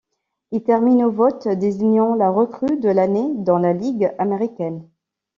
Il termine au vote désignant la recrue de l'année dans la Ligue américaine.